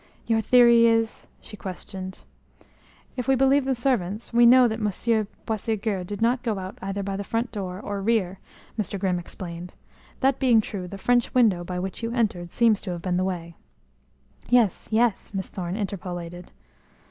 "Your theory is ?" she questioned. "If we believe the servants we know that Monsieur Boisségur did not go out either by the front door or rear," Mr. Grimm explained. "That being true the French window by which you entered seems to have been the way." "Yes, yes," Miss Thorne interpolated.